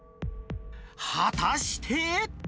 果たして。